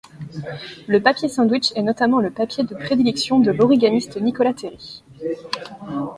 Le papier sandwich est notamment le papier de prédilection de l'origamiste Nicolas Terry.